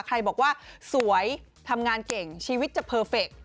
ใครบอกว่าสวยทำงานเก่งชีวิตจะเพอร์เฟค